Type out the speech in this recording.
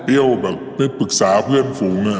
เปรี้ยวแบบเป็นปรึกษาเพื่อนฟูงเนี่ย